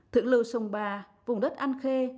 thượng lưu sông ba vùng đất an khê